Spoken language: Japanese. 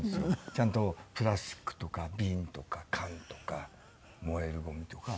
ちゃんとプラスチックとか瓶とか缶とか燃えるごみとか分けて。